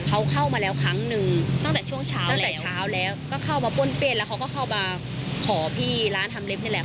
เขาเข้ามาแล้วครั้งหนึ่งตั้งแต่ช่วงเช้าตั้งแต่เช้าแล้วก็เข้ามาป้นเปี้ยนแล้วเขาก็เข้ามาขอพี่ร้านทำเล็บนี่แหละ